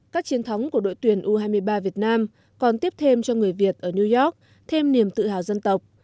các chiến thắng của đội tuyển u hai mươi ba việt nam còn tiếp thêm cho người việt ở new york thêm niềm tự hào dân tộc